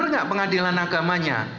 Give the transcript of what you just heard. bener gak pengadilan agamanya